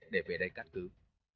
để về đây cắt cứu